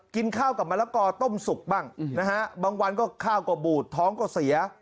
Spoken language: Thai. กินข้าวกับมะละกอต้มสุกบ้างนะฮะบางวันก็ข้าวก็บูดท้องก็เสีย